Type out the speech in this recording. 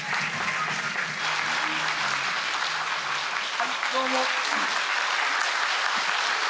はいどうも。